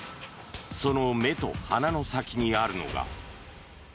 その目と鼻の先にあるのが。